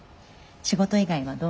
仕事以外はどう？